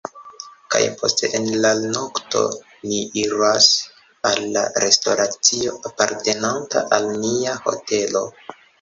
kaj poste en la nokto, ni iras al la restoracio apartenanta al nia hotelo